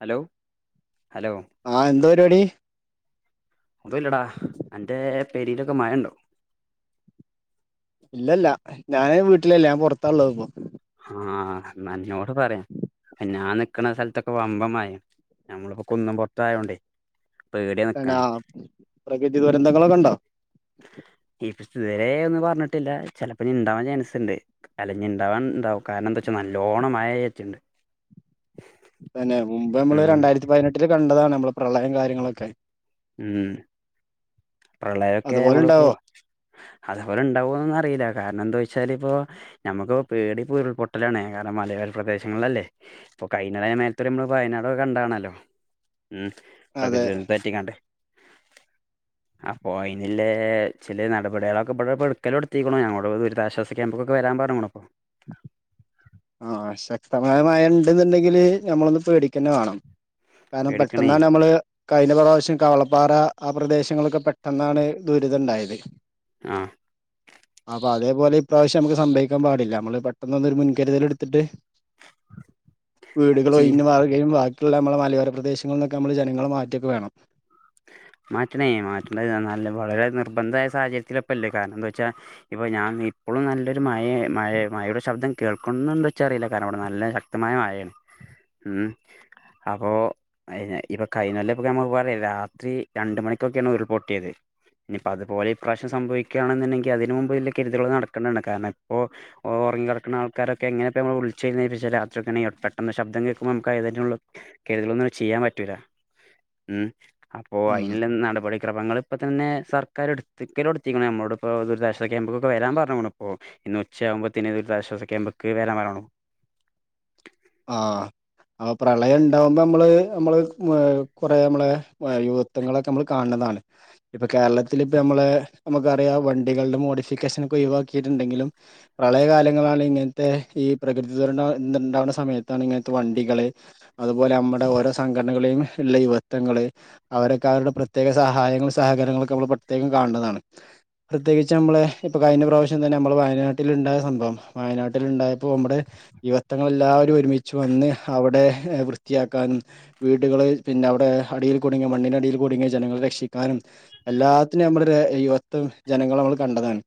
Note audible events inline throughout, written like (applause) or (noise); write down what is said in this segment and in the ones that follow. Hello hello ആഹ് എന്താ പരിപാടി അതല്ലടാ എറെ പെരിലൊക്കെ മഴുണ്ടോ ഇല്ലല്ല ഞാന് വീട്ടിലല്ലേ ഞാൻ പുറത്താള്ളത് ഇപ്പൊ ആഹോട് പറയാം പിന്നഞാ നിക്കണ സ്ഥലത്തൊക്കെ വമ്പം ആ നഞമ്മളിപ്പോ കുന്നും പുൊറത്ത ആയോണ്ടേ പേടിയാ പിന്നെ നിക്കാന് പ്രകൃതി ദുരന്തങ്ങളൊക്കെ കണ്ടോ ഇതുവരെ ഒന്നും പറഞ്ഞിട്ടില്ല ചെലപ്പോ ഇനി ഇണ്ടാവാൻ ചാൻസ് ഇണ്ട് അല്ല ഇനി ഇണ്ടാവൻ ഇണ്ടാവും കാരണം എന്താ വച്ചാ നല്ലോണം മായ പെയ്തിട്ടുണ്ട് തന്നെ മുമ്പ് നമ്മള് ഉം രണ്ടായിരത്തി പതിനെട്ടില് കണ്ടതാണ് നമ്മള്- പ്രളയം കാര്യങ്ങളൊക്കെ ഉം പ്രളയമൊക്കെ അതുപോലെ നമ്മളിപ്പോ ഉണ്ടാവോ അതേപോലെ ഇണ്ടാവൊന്ന് ഒന്നും അറിയില്ല കാരണം എന്താ- എന്ന് വെച്ചാലിപ്പോ നമുക്ക് പേടി ഇപ്പൊ ഉരുൾപൊട്ടലാണ് കാരണം മലയോര പ്രദേശങ്ങളിലല്ലേ ഇപ്പൊ കഴിഞ്ഞ മേലത്ത നമ്മള് വയനാട് ഒക്കെ കണ്ടാണല്ലോ ഉം അതെ പ്രകൃതി തെറ്റിക്കാണ്ട് അപ്പൊ അയിനില്ലേ ചെല നടപടികളൊക്കെ ഇവിടെ പെടുക്കല് എടുത്തിരിക്കണോ ഞങ്ങോട് ദുരിതാശ്വാസ ക്യാമ്പിലോട്ട് വരാൻ പറഞുണു ആഹ് ശക്തമായ മഴ ഉണ്ട് ന്നുണ്ടെങ്കില് ഞമ്മളൊന്ന് പേടിക്കന്നെ വാണം. കാരണം പേടിക്കണേ പെട്ടെന്നാണമ്മള് കഴിഞ്ഞ പ്രാ വ്ശ്യം കവളപ്പാറ ആ പ്രദേശങ്ങളൊക്കെ പെട്ടെന്നാണ് ദുരിത ണ്ടായത്. ആഹ് അപ്പൊ അതേപോലെ ഇപ്രാവശ്യം നംക്ക് സംഭവിക്കാൻ പാടില്ല നമ്മള് പെട്ടെന്നൊന്നൊര് മുൻ കരുതല് ഇട്ത്ത്ട്ട് വീടുകൾ ചെയ്യ് ഒഴിഞ്ഞ് മാറുകയും വാ ക്കിള്ള നമ്മള മലയോര പ്രദേശങ്ങളിൽന്നൊക്കെ നമ്മൾ ജനങ്ങളെ മാറ്റൊക്കെ വേണം. മാറ്റണേ മാറ്റണ്ട നല്ല വളരെ നിർബന്ധായ സാഹചര്യത്തിലാ ഇപ്പല്ലേ. കാരണം എന്താ വച്ചാ ഇപ്പ ഞാൻ ഇപ്പളും നല്ലൊരു മ ഴേ മഴയുടെ ശബ്ദം കേൾക്കുന്നുണ്ടോ ഇച്ചറീല്ല. കാരണം ഇവടെ നല്ല ശക്തമായ മഴേണ് ഉം. അപ്പോ അയ്നെ ഇപ്പൊ കഴിഞ്ഞൊല്ലം ഇപ്പ നമ്മുക്ക് പറയാ രാ ത്രി രണ്ട് മണിക്കൊക്കേണ് ഉരുൾപൊട്ടിയത്. ഇനിപ്പോ അതുപോലെ ഇപ്രാവശ്യം സംഭവിക്കാണ്ന്നുണ്ടെങ്കി അതിന് മുമ്പ് വല്യ കരുതുകൾ നടക്കണ്ടണ്. കാരണം എപ്പോ ഓറങ്ങി കടക്ണ ആൾക്കാരൊക്കെ എങ്ങനെ പ്പ മ്മൾ വിൾച്ച ഈ നേറ്റ്ച്ച രാത്രിയൊക്കേണെ പെട്ടെന്ന് ശബ്ദം കേക്കുമ്പോ നമുക്കയ് തെറ്റെങ്ള കരുതലൊന്നും ചെയ്യാൻ പറ്റൂല്ല ഉം. അപ്പൊ ഉം അയ്ന് ല്ല നടപടി ക്രമങ്ങൾ ഇപ്പ തന്നെ സർക്കാർ ഇട്ത്ത് ഇട്ക്കലൊട്ത്തീക്ക്ണ് നമ്മോട് ഇപ്പോ ദുരിതാശ്വാസ ക്യാമ്പിക്ക് വരാൻ പർഞ്ഞുക്കുണു ഇപ്പൊ ഇന്ന് ഉച്ചയാകുമ്പോത്തിന് പ ദുരിതാശ്വാസ ക്യാമ്പ്ക്ക് വരാൻ പർഞ്ഞുക്കുണു. ആഹ് അപ്പൊ പ്രളയ ണ്ടാവുമ്പമ്മള് നമ്മള് ഏഹ് കൊറേ നമ്മളെ വ യുവത്വങ്ങളൊക്കെ നമ്മൾ കാണ് ണതാണ് ഇപ്പൊ കേരളത്തില് ഇപ്പ നമ്മളെ നമുക്കറിയാം വണ്ടികളുടെ മോഡിഫിക്കേഷൻ ഒക്കെ ഒഴിവാക്കീട്ട്ണ്ടെങ്കിലും പ്രളയകാലങ്ങളാണ് ഇങ്ങൻത്തെ ഈ പ്രകൃതി ദുരന്ത ഇന്തുണ്ടാവ്ണ സമയത്താണ് ഇങ്ങനത്തെ വണ്ടികള് അതുപോലെ നമ്മടെ ഓരോ സംഘടനകളെയും ഇള്ള യുവത്വങ്ങള് അവരൊക്കെ അവരുടെ പ്രത്യേക സഹായങ്ങള് സഹകരണങ്ങളൊക്കെ നമ്മൾ പ്രത്യേകം കാൺണതാണ്. പ്രത്യേകിച്ച് നമ്മളെ ഇപ്പ കഴിഞ്ഞ പ്രാവശ്യം തന്നെ നമ്മൾ വയനാട്ടിൽ ഇണ്ടായ സംഭവം വയനാട്ടില് ഇണ്ടായപ്പോ നമ്മടെ യുവത്വങ്ങൾ എല്ലാവ രും ഒരുമിച്ച് വന്ന് അവിടെ വൃത്തിയാക്കാനും വീടുകൾ പിന്നെ അവിടെ അടിയിൽ കുടുങ്ങിയ മണ്ണിനടിയിൽ കുടുങ്ങിയ ജനങ്ങളെ രക്ഷിക്കാനും എല്ലാത്തിനും നമ്മള് ഒര് യുവത്വം ജനങ്ങളെ നമ്മൾ കണ്ടതാണ്.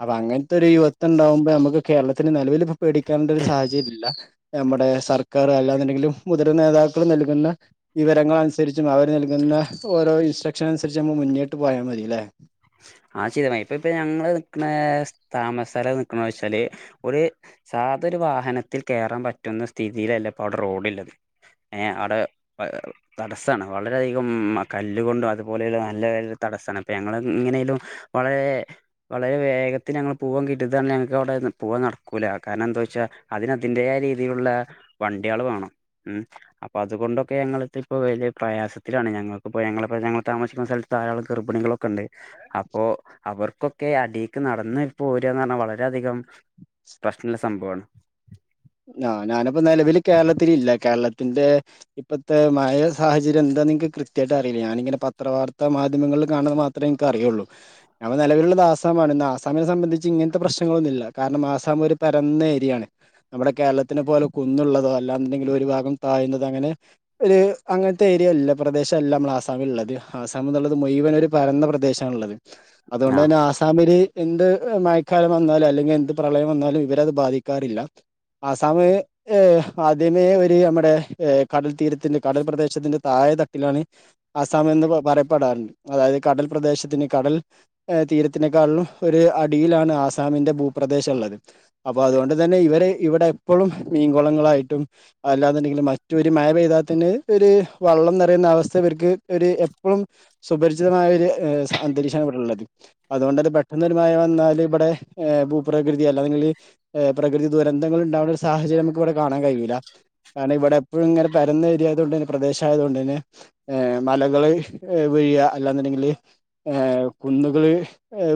അപ്പ അങ്ങൻത്തൊര് യുവത്വം ഉണ്ടാകുമ്പം നമുക്ക് കേരളത്തിന് നെലവില് പോ പേടിക്കേണ്ട ഒരു സാഹചര്യല്ല. നമ്മുടെ സർക്കാർ അല്ലാെന്നുണ്ടെങ്കിലും മുതിർന്ന നേതാക്കൾ നൽകുന്ന വിവരങ്ങളനുസരിച്ചും അവർ നൽകുന്ന ഓരോ ഇൻസ്ട്രക്ഷൻ അനുസരിച്ച് നമ്മ മുന്നിട്ട് പോയാ മതി ലേ. ആഹ് (unintelligible) ഇപ്പ ഇപ്പ ഞങ്ങള് നിക്ക്ണെ താമസസ്ഥല നിത്ണ വച്ചാല് ഒരു സാധ ഒരു വാഹനത്തിൽ കേറാൻ പറ്റുന്ന സ്ഥിതിയിലല്ല ഇപ്പ അവിടെ റോഡ്ല്ലത് ഏഹ് അടെ ഏഹ് തടസ്സാണ് വളരെയധികം കല്ല് കൊണ്ടും അതുപോലെയുള്ള നല്ല (unintelligible) തടസ്സാണ്. ഇപ്പ ഞങ്ങള് ങ്ങനേലും വളരെ വളരെ വേഗത്തിൽ ഞങ്ങള് പൂവൻ കിട്ടിയതാണ് ഞങ്ങക്ക് അവിടെ പൂവൻ നടക്കൂല കാരണം എന്താ വെച്ചാ അതിനതിന്റെ ആ രീതിയിലുള്ള വണ്ടി ആൾ വേണം ഉ അപ്പൊ അതുകൊണ്ടൊക്കെ ഞങ്ങി ഇപ്പൊ വലിയ പ്രയാസത്തിലാണ് ഞങ്ങൾക്ക് ഇപ്പോ ഞങ്ങള ഞങ്ങൾ താമസിക്കുന്ന സ്ഥലത്ത് ധാരാളം ഗർഭിണികളൊക്കെ ഉണ്ട്. അപ്പൊ അപ്പോ അവർക്കൊക്കെ അടിക്ക് നടന്ന് പോ പോരന്ന് പറഞ്ഞാൽ വളര അധികം പ്രശ്നമുള്ള സംഭവമാണ്. ആ ഞാനിപ്പോ നിലവിൽ കേരളത്തി ഇല്ല. കേരളത്തിന്റെ ഇപ്പഴത്തെ മഴ സാഹചര്യം എന്താന്ന് നിങ്ങക്ക് കൃത്യയിട്ട് അറിയില്ല. ഞാനിങ്ങനെ പത്ര വാർത്താ മാധ്യമങ്ങളിൽ കാണൻ മാത്രമേ ക്ക് അറിയുള്ളൂ. ഞപ്പ നിലവിലുള്ളത് ആസമാണ് ഇ ആസാമിനെ സംബന്ധിച്ച് ഇങ്ങനത്തെ പ്രശ്നങ്ങളൊന്നുമില്ല. കാരണം ആസാം ഒരു പരന്ന ഏരിയാണ്. നമ്മുടെ കേരളത്തിനെ പോലെ കുന്നുള്ളതോ അല്ലാ എണ്ടെങ്കിലും ഒരു ഭാഗം താഴ്ന്നത അങ്ങനെ ഒരു അങ്ങനത്തെ ഏരിയ അല്ല. പ്രദേശമല്ല നമ്മൾ ആസാമിൽ ഉള്ളത് ആസാം എന്നുള്ളത് മുഴുവൻ ഒരു പരന്ന പ്രദേശമാണുള്ളത്. ആഹ അതുകൊണ്ട് തന്നെ ആസാമില് എന്ത് മഴക്കാലം വന്നാലും അല്ലെങ്കിൽ എന്ത് പ്രളയം വന്നാലും ഇവരത് ബാധിക്കാറില്ല. ആസമ് ഏ ആദ്യമേ ഒരു നമ്മുടെ ഏ കടൽ തീരത്തിന്റെ കടൽ പ്രദേശത്തിന്റെ താഴെ തട്ടിലാണ് ആസാംഎന്ന് പറയപ്പെടാറുണ്ട്. അതായത് കടൽ പ്രദേശത്തിന് കടൽ തീരത്തിനേക്കാളും ഒരു അടിയിലാണ് ആസാമിന്റെ ഭൂപ്രദേശം ഉള്ളത്. അപ്പൊ അതുകൊണ്ട് തന്നെ ഇവര് ഇവിടെ എപ്പോഴും മീൻകുളങ്ങളായിട്ടും അല്ലാതുണ്ടെങ്കിൽ മറ്റൊരു മഴ പെയ്താൽ തന്നെ ഒരു വള്ളം നിറയുന്ന അവസ്ഥ ഇവർക്ക് ഒരു എപ്പോഴും സുപരിചിതമായ ഒരു അന്തരീക്ഷമാണ് ഇവിടെള്ളത്. അതുകൊണ്ട് പെട്ടെന്ന് ഒരു മഴ വന്നാൽ ഇവിടെ ഭൂപ്രകൃതി അല്ലാങ്കിൽ പ്രകൃതി ദുരന്തങ്ങൾ ഉണ്ടാവുന്ന ഒരു സാഹചര്യം നമുക്ക് ഇവിടെ കാണാൻ കഴിയില്ല. കാരണം ഇവിടെ എപ്പോഴും ഇങ്ങനെ പരുന്ന ഏരിയയത കൊണ്ട് തന്നെ പ്രദേശ ആയതുക കൊണ്ട് തന്നെ മലകൾ വീഴിയാ അല്ലാന്നുണ്ടെങ്കില് കുന്നുകൾ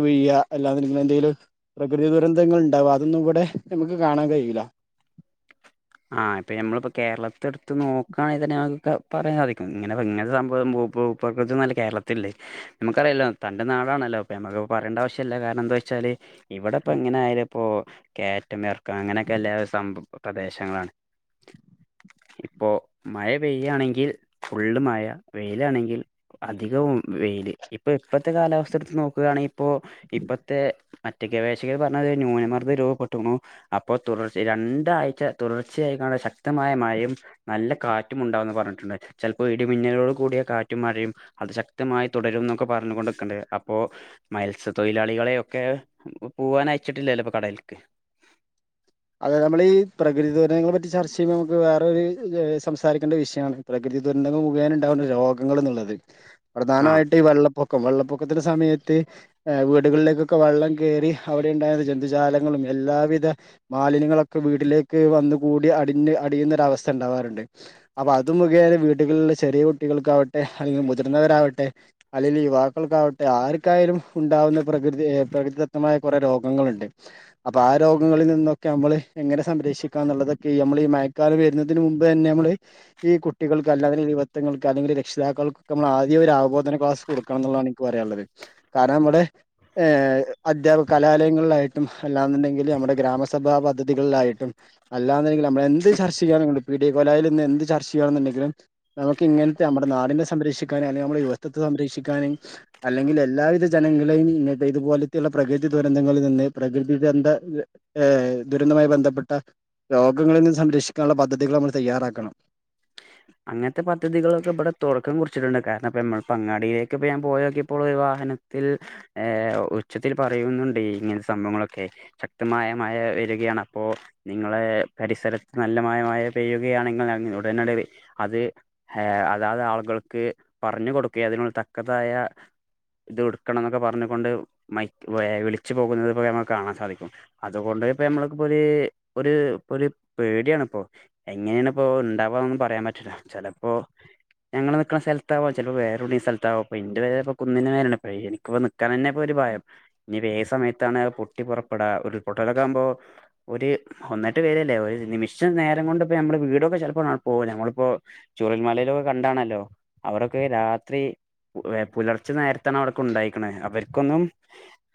വീഴിയാ അല്ലെന്നുണ്ടെങ്കിൽ എന്തെങ്കിലും പ്രകൃതി ദുരന്തങ്ങൾ ഉണ്ടാവുക അതൊന്നും ഇവിടെ നമുക്ക് കാണാൻ കഴിയൂല. ആ ഇപ്പൊ നമ്മളിപ്പോ കേരളത്തെ എടുത്ത് നോക്കുയാണേതന്ന ഇതിനെ പറയാൻ സാധിക്കും ഇങ്ങനെ ഇങ്ങനെ സംഭവംപകൃതിന്നല്ല കേരളത്തില്ലേ നമുക്കറിയല്ലോ തന്റെ നാടാണല്ലോ അപ്പ നമ്മക്ക് പറയേണ്ട ആവശ്യമ ഇല്ല കാരണം എന്താ വെച്ചാല് ഇവിടെ ഇപ്പോ എങ്ങനെയയാല ഇപ്പോ കേറ്റ മേർക്ക അങ്ങനെയൊക്കെ എല്ലാ സംഭ ങ്ങളാണ് ഇപ്പോ മഴ പെയ്യാണെങ്കിൽ ഫുള്ള് മഴ വെയിലാണെങ്കിൽ അധികവും വെയില് ഇപ്പൊ ഇപ്പോഴത്തെ കാലാവസ്ഥടുത്ത് നോക്കുകാണെങ്കിൽ ഇപ്പോ ഇപ്പോഴത്തെ മറ്റ ഗവേഷകർ പറഞ്ഞ ന്യൂനമർദ്ദ രൂപപ്പെട്ടണു അപ്പോൾ തുടർച്ച രണ്ടാഴ്ച തുടർച്ചയായിക്കാണ്ട് ശക്തമായ മഴയും നല്ല കാറ്റും ഉണ്ടാവന്ന് പറഞ്ഞിട്ടുണ്ട് ചിലപ്പോ ഇടിമിന്നലോട് കൂടിയ കാറ്റും മഴയും അത് ശക്തമായി തുടരും എന്നൊക്കെ പറഞ്ഞു കൊണ്ടിക്കണ്ട് അപ്പോ മത്സ്യ തൊഴിലാളികളെയ ഒക്കെ പോവൻ അയച്ചിട്ടില്ലല്ലോ കടലൽക്ക് അതെ നമ്മളി പ്രകൃദുരന്തങ്ങളെ പറ്റി ചർ ചെയ്യുമ്പോൾ നമക്ക് വേറൊരു സംസാരിക്കേണ്ട വിഷയമാണ് പ്രകൃതി ദുരന്തങ്ങ മുഖേനം ഉണ്ടാവണ്ട രോഗങ്ങളെന്നുള്ളത് ആഹ് പ്രധാനമായിട്ട് ഈ വെള്ളം പൊക്കം വെള്ളപ്പൊക്കത്തിന്റെ സമയത്ത് വീടുകളിലേക്കൊക്കെ വെള്ളം കേറി അവിടെ ഉണ്ടായിരുന്ന ജന്തുജാലങ്ങളും എല്ലാവിധ മാലിന്യങ്ങളൊക്കെ വീട്ടിലേക്ക് വന്ന് കൂടി അടിഞ്ഞ് അടിയുന്നൊരവസ്ഥ ഉണ്ടാവാറുണ്ട് അപ്പോ അത് മുഖേന വീടുകളിലുള്ള ചെറിയ കുട്ടികൾക്ക് ട്ടെ അല്ലെങ്കിൽ മുതിർന്നവരാവട്ടെ അല്ലെങ്കിൽ യുവാക്കൾക്കാവട്ടെ ആർക്കായാലും ഉണ്ടാവുന്ന പ്രകൃതി പ്രകൃതിദത്തമായ കുറെ രോഗങ്ങളുണ്ട് അപ്പൊ ആ രോഗങ്ങളിൽ നിന്നും ക്കമ്മള് എങ്ങനെ സംരക്ഷിക്കുക എന്നുള്ളതൊക്കെ നമ്മൾ ഈ മയക്കാലം വരുന്നതിന് മുമ്പ് തന്നെ നമ്മള് ഈ കുട്ടികൾക്ക് അല്ലാെ യുവത്വങ്ങൾക്ക് അല്ലെങ്കിൽ രക്ഷിതാക്കൾക്കൊക്കെ നമ്മൾ ആദ്യം ഒരു ആബോധന ക്ലാസ് കൊടുക്കണം എന്നുള്ളതാണ് എനിക്ക് പറയാനുള്ളത് കാരണം നമ്മുടെ അധ്യാപക കലാലയങ്ങളിലായിട്ടും അല്ലാന്നുണ്ടെങ്കിൽ നമ്മുടെ ഗ്രാമ സഭാ പദ്ധതികളിലായിട്ടും അല്ലാെന്നുണ്ടെങ്കിൽ നമ്മളെന്ത് ചർച്ച ചെയ്യണും പിഡിയകലായിൽ നിന്ന് എന്ത് ചർച്ച ചെയ്യയാണെന്നുണ്ടെങ്കിലും നമുക്ക് ഇങ്ങനത്തെ നമ്മുടെ നാടിനെ സംരക്ഷിക്കാനും അല്ലെങ്കിൽ നമ്മുടെ യുവസ്ഥത്തെ സംരക്ഷിക്കാനും അല്ലെങ്കിൽ എല്ലാവിധ ജനങ്ങളെയും ഇങ്ങന ഇതുപോലത്തെുള്ള പ്രകൃതി ദുരന്തങ്ങളിൽ നിന്ന് പ്രകൃതി ബന്ധ ഏ ദുരന്തവുമായി ബന്ധപ്പെട്ട രോഗങ്ങളിൽ നിന്നും സംരക്ഷിക്കാനുള്ള പദ്ധതികൾ നമ്മൾ തയ്യാറാക്കണം അങ്ങനത്തെ പദ്ധതികളൊക്കെ ഇവിടെ തുടക്കം കുറിച്ചിട്ടുണ്ട് കാരണം ഇപ്പോ നമ്മൾ പ അങ്ങാടിയിലേക്ക ഇ ഞാൻ പോയക്കിയപ്പോ വാഹനത്തിൽ ഏ ഉച്ചത്തിൽ പറയുന്നുണ്ട് ഇങ്ങനത്തെ സംഭവങ്ങളൊക്കെ ശക്തമായ മയ വരികയാണ് അപ്പോ നിങ്ങളെ പരിസരത്ത് നല്ല മ മഴ പെയ്യുകയാണെ ഉടന അത് അതാത് ആളുകൾക്ക് പറഞ്ഞു കൊടുക്കുക അതിനുള്ള തക്കതായ ഇത് കൊടുക്കണം എന്നൊക്കെ പറഞ്ഞുകൊണ്ട് മ വിളിച്ചു പോകുന്നത്തിെ നമുക്ക് കാണാൻ സാധിക്കും അതുകൊണ്ട് ഇപ്പോ നമ്മൾപ്പോ ഒരു ഇപ്പോ ഒരു പേടിയാണിപ്പോൾ എങ്ങനെയാണ് ഇപ്പോ ഉണ്ടാവായൊന്നും പറയാൻ പറ്റ ചിലപ്പോ ഞങ്ങൾ നിക്കുന്ന സ്ഥലത്താവാ ചെലപ്പോ വേറെട സ്ഥലത്താവാ എന്റെ വേരെ കുന്നിനോണ് എനിക്ക് ഇൻ തന്നെ ഇപ്പൊ ഒരു ഭയം ഇനി സമയത്ത് ാണ് പൊി പുറപ്പെടാ ഉൾപൊട്ടലൊക്കെ ആകുമ്പോൾ ഒരു ഒന്നിട്ട് വരല്ലേ ഒരു നിമിഷം നേരം കൊണ്ട്പ്പോ നമ്മൾ വീടൊക്കെ ചിലപ്പോ പോക നമ്മ ഇപ്പൊ ചൂരൽ മലയിലക്കെ കണ്ടാണല്ലോ അവരൊക്കെ രാത്രി പുലർച്ചെ നേരത്താണ് അവിടെക്കെ ഉണ്ടായേക്കണെ. അവർക്കൊന്നും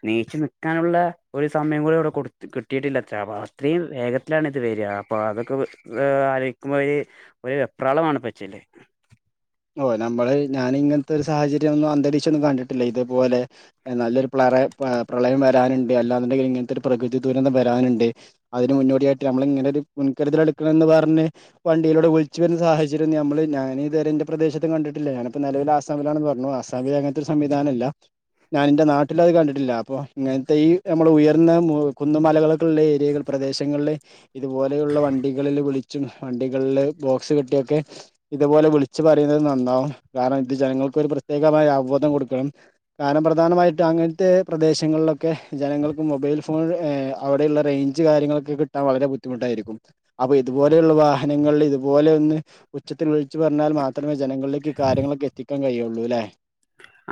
നീച്ചു നിക്കാനുള്ള ഒര് സമയം പോലുംഅവ്ടെ കൊട് കിട്ടിയിട്ടില്ലത്ര അപ്പൊ അത്രയും വേഗത്തിലാണ് ഇത് വരിക അപ്പൊ അതൊക്കെ ആലോചിക്കുമ്പോ ഒര് ഒരു വെപ്രാളമാണ് പച്ചല്ലേ നമ്മള ഞാനിങ്ങത്തെ ഒര് സാഹചര്യം ന്റ റ്റീച്ചൊന്നും കണ്ടിട്ടില്ല ഇതേപോലെ നല്ലൊരു പ്രറ പ്രളയം വരാനുണ്ട് അല്ലാന്നുണ്ടെങ്കിൽ ഇങ്ങനത്തെ ഒരു പ്രകൃതി ദുരന്തം വരാനുണ്ട് അതിന് മുന്നോടിയായിട്ട് നമ്മൾ ഇങ്ങനെ ഒരു മുൻകരുതൽ എടുക്കണം എന്ന് പറഞ്ഞ് വണ്ടിയിലൂടെ വിളിച്ചു വരുന്ന സാഹചര്യം നമ്മള് ഞാനിത് പ്രദേശത്തും കണ്ടിട്ടില്ല ഞാനിപ്പോ നെലവിൽ ആസാമിലാണെന്ന് പറഞ്ഞു ആസാമിൽ അങ്ങനത്തെ ഒരു സംവിധാനല്ല ഞാനെൻ്റെ നാട്ടിൽ അത് കണ്ടിട്ടില്ല അപ്പോ ഇങ്ങനത്തെ ഈ നമ്മൾ ഉയർന്ന കുന്നുമലകൾ പ്ര ഏരിയകൾ പ്രദേശങ്ങളിലെ ഇതുപോലെയുള്ള വണ്ടികളിൽ വിളിച്ച ച്ചും വണ്ടികളിൽ ബോക്സ് കെട്ടിയൊക്കെ ഇതുപോലെ വിളിച്ച വച്ച് പറയുന്നത് നന്നാവും കാരണം ഇത് ജനങ്ങൾക്ക് ഒരു പ്രത്യേകമായ അവബോധം കൊടുക്കണം കാരണം പ്രധാനമായിട്ടും അങ്ങനത്തെ പ്രദേശങ്ങളിലൊക്കെ ജനങ്ങൾക്ക് മൊബൈൽ ഫോൺ അവിടെയുള്ള റേഞ്ച് കാര്യങ്ങളൊക്കെ കിട്ടാൻ വളരെ ബുദ്ധിമുട്ടായിരിക്കും അപ്പൊ ഇതുപോലെയുള്ള വാഹനങ്ങളിൽ ഇതുപോലെ ഒന്ന് ഉച്ചത്തിൽ വിളിച്ച് എന്നാൽ മാത്രമേ ജനങ്ങളിലേക്ക് കാര്യങ്ങളൊക്കെ എത്തിക്കൂ ക്കാൻ കയൊള്ളൂല്ലേ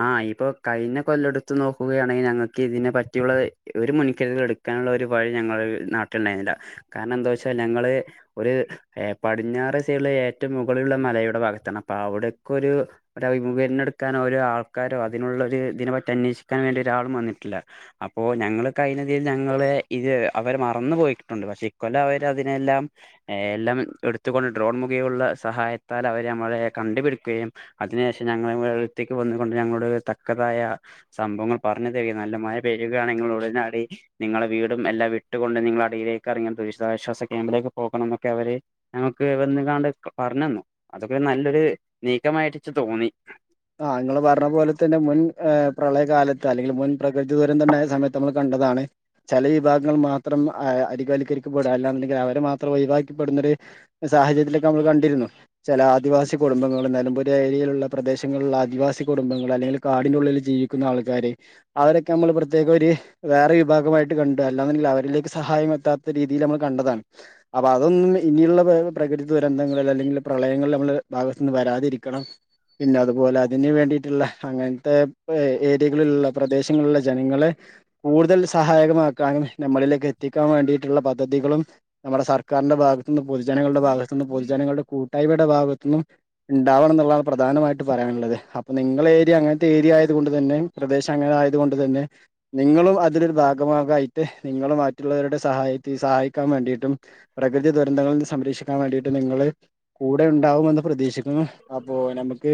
ആഹ ഇപ്പോ കയ്ന കൊല്ലെടുത്ത് നോക്കുകയാണെങ്കി ഞങ്ങക്ക് ഇതിനെ പറ്റിയുള്ള ഒരു മുൻകരുതലും എടുക്കാനുള്ള ഒരു വഴി ഞങ്ങളെ നാട്ടിണ്ടായിരുന്നില്ല കാരണം എന്താ വെച്ചാ ഞങ്ങള് ഒര് പടിഞ്ഞാറെസൈള്ള ഏറ്റവും മുകളിലുള്ള മലയുടെ ഭാഗത്താണ് അപ്പൊ അവിടൊക്കെ ഒരു അഭിമുഖീനം എടുക്കാൻ ആൾ ആൾക്കാരോ അതിനൊള്ള ഒരു ഇതിനെ പറ്റി അന്വേഷിക്കാൻ വേണ്ടി ഒരാളും വന്നിട്ടില്ല അപ്പോ ഞങ്ങള് കൈനതിയിൽ ഞങ്ങളെ ഇത് അവർ മറന്നു പോയിട്ടുണ്ട് പക്ഷെ ഇക്കൊല്ലം അവര അതിനെല്ലാം എല്ലാം എടുത്തുകൊണ്ട് ഡ്രോൺ മുഖേ ഉള്ള സഹായത്താൽ അവരെമ്മളെ കണ്ടുപിടിക്കുകയും അതിന് യേഷം ഞങ്ങ എഴത്തേക്ക് വ ണ്ട് ഞങ്ങളരു തക്കതായ സംഭവങ്ങൾ പറഞ്ഞു തരിക നല്ല മ പെരുകയാണെങ്ങൾ ഉടനടി നിങ്ങളെ വീടും എല്ലാം വിട്ടുകൊണ്ട് നിങ്ങള അടിയിലേക്ക് ഇറങ്ങണം ദുരിഷതാശ്വാസ ക്യാമ്പിലേക്ക് പോകണം എന്നൊക്കെ അവര് ഞങ്ങക്ക് വന്ന് കണ്ട് പറഞ്ഞന്നു അതൊക്കെ നല്ലൊരു നീക്കമായിട്ടച്ച് തോന്നി ആ ങ്ങള് പറഞ്ഞ പോലെ തന്നെ മുൻ ഏ് പ്രളയകാലത്ത് അല്ലെങ്കിൽ മുൻ പ്രകൃതി ദൂരന്തണ്ടായ സമയത്ത് മ്മള് കണ്ടതാണ് ചെല വിഭാഗങ്ങൾ മാത്രം അരികവൽക്കരിക്കപ്പെടുക അല്ലാന്ന്ണ്ടെങ്കിൽ അവരെ മാത്രം ഒയിവാക്കപ്പെടുന്ന ഒരു സാഹചര്യത്തിലൊക്കെ നമ്മൾ കണ്ടിരുന്നു ചില ആദിവാസി കുടുംബങ്ങളൾ നെലംപുരി ഏരിയെലുള്ള പ്രദേശങ്ങ ലുള്ള ആദിവാസി കുടുംബങ്ങള് അല്ലെങ്കിൽ കാടിനുള്ളില് ജീവിക്കുന്ന ആൾക്കാര് അവരൊക്കെ അമ്മൾ പ്രത്യേകൊര് വേറെ വിഭാഗമായിട്ട് കണ്ടു അല്ലാങ്കിൽ അവരിലേക്ക് സഹായം എത്താത്ത രീതിയിൽ അമ്മൾ കണ്ടതാണ് അപ്പൊ അതൊന്നും ഇനിയുള്ള പ്രകൃതി ദുരന്തങ്ങൾ അല്ലെങ്കിൽ പ്രളയങ്ങൾ നമ്മുടെ ഭാഗത്തു നിന്ന് വരാതിരിക്കണം പിന്നെ അതുപോലെ അതിന് വേണ്ടിയിട്ടുള്ള അങ്ങനത്തെ ഏരിയകളിലുള്ള പ്രദേശങ്ങളിലുള്ള ജനങ്ങളെ കൂടുതൽ സഹായകമാക്കാനും നമ്മളിലേക്ക് എത്തിക്കാൻ വേണ്ടിയിട്ടുള്ള പദ്ധതികളും നമ്മുടെ സർക്കാരിന്റെ ഭാഗ ന്ന് പൊതുജനങ്ങളുടെ ഭാഗത്ത നിന്ന് പൊതുജനങ്ങളുടെ കൂട്ടായ്മയുടെ ഭാഗത്ത് ന്നും ണ്ടാവണം എന്നുള്ളതാണ് പ്രധാനമായിട്ട പറയാനുള്ളത് അപ്പൊ നിങ്ങളേരിയ അങ്ങനത്തെ ഏരിയ ആയത കൊണ്ട് തന്നെ പ്രദേശം അങ്ങനെ ആയത് കൊണ്ട് തന്നെ നിങ്ങളും അതിലൊരു ഭാഗാവാകായിട്ട് നിങ്ങൾ മറ്റുള്ളവരുടെ സഹായ സഹായിക്കാൻ വേണ്ടിട്ടും പ്രകൃതി ദുരന്തങ്ങളിൽന്ന് സംരക്ഷിക്കാൻ വേണ്ടിട്ടും നിങ്ങൾ കൂടെ ഉണ്ടാവുമന്ന് പ്രതീക്ഷിക്കുന്നു അപ്പോ നമുക്ക്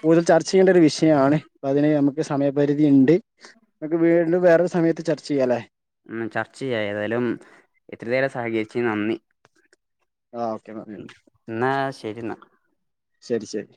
കൂടുതൽ ചർച്ച ചെയ്യേണ്ട ഒരു വിഷയമാണ് അതിന് നമുക്ക് സമയപരിധി ഉണ്ട് നമക്ക് വീണ്ടും വേറൊരു സമയത്ത് ചർച്ച ചെയ്യ അല്ലേ ഉം ചർച്ച ചെയ്യ ഏതാലും ഇത്ര നേരം സഹകരിച്ച യ്നി നന്ദി ആ ഓക്കെ എന്നാ ശെരിന്നാ ശെരി ശെരി